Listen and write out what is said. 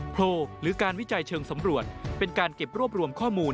โพลหรือการวิจัยเชิงสำรวจเป็นการเก็บรวบรวมข้อมูล